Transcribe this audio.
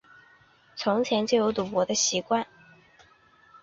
从前就有赌博的习惯